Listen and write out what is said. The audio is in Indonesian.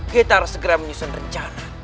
kita harus segera menyusun rencana